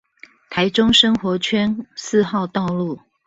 臺中生活圈四號道路